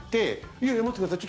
「いやいや待ってください」。